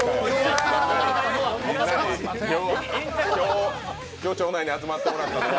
今日、町内に集まってもらったのは